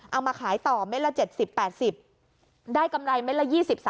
เอามาขายต่อเม็ดละ๗๐๘๐ได้กำไรเม็ดละ๒๐๓๐